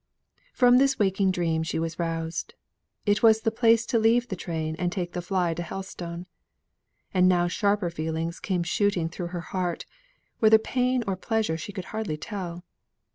From this waking dream she was roused. It was the place to leave the train and take the fly to Helstone. And now sharper feelings came shooting through her heart, whether pain or pleasure she could hardly tell.